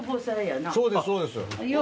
そうですそうです。